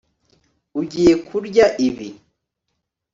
Ugiye kurya ibi